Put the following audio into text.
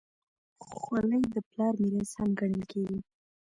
خولۍ د پلار میراث هم ګڼل کېږي.